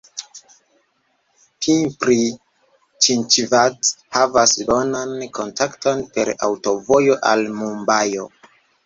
Pimpri-Ĉinĉvad havas bonan kontakton per aŭtovojo al Mumbajo.